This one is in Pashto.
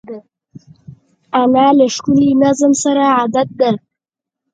انا له ښکلي نظم سره عادت ده